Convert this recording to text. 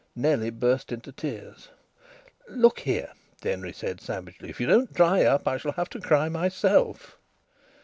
Nellie burst into tears. "Look here," Denry said savagely. "If you don't dry up, I shall have to cry myself."